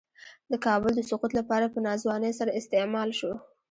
د کابل د سقوط لپاره په ناځوانۍ سره استعمال شو.